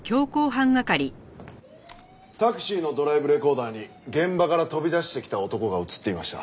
タクシーのドライブレコーダーに現場から飛び出してきた男が映っていました。